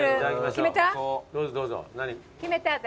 決めた私。